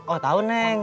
oh tau neng